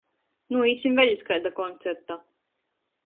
Nūīsim vēļ iz kaida koncerta!